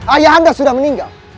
ayahanda sudah meninggal